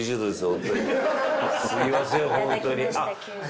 すいませんホントに。